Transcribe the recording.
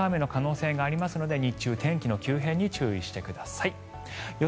都心もにわか雨の可能性がありますので日中、天気の急変に注意してください。